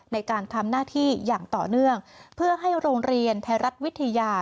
ในการทำหน้าที่อย่างต่อเนื่องเพื่อให้โรงเรียนไทยรัฐวิทยา